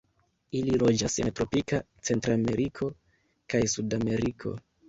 Ili loĝas en tropika Centrameriko kaj Sudameriko.